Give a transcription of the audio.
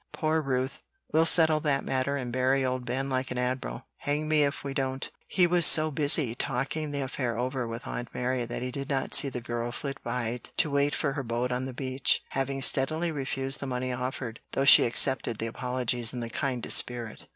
Poor Ruth! we'll settle that matter, and bury old Ben like an admiral, hang me if we don't!" He was so busy talking the affair over with Aunt Mary that he did not see the girl flit by to wait for her boat on the beach, having steadily refused the money offered her, though she accepted the apologies in the kindest spirit.